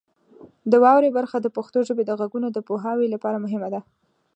د واورئ برخه د پښتو ژبې د غږونو د پوهاوي لپاره مهمه ده.